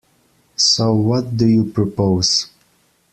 So, what do you propose?